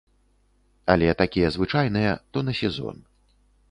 Але такія звычайныя, то на сезон.